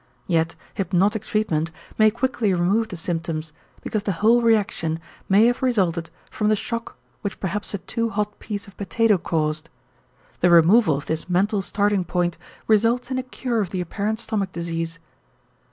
Yet hypnotic treatment may quickly remove the symptoms because the whole reaction may have resulted from the shock which perhaps a too hot piece of potato caused. The removal of this mental starting point results in a cure of the apparent stomach disease.